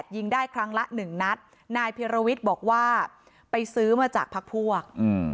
ยิงได้ครั้งละ๑นัทนายพีรวิชบอกว่าไปซื้อมาจากพักพวก๒๐๐๐